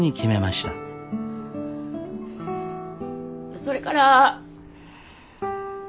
それから。